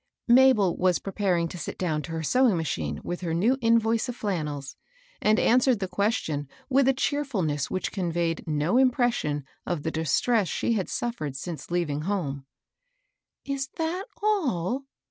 Mabel was preparing to sit down to her sew ing machine with her new invoice of, flannels, and answered the question with a cheerfiilness which Mabel's new employer. 101 conveyed no* impression of the distress she had suffered since leaving home. " Is that all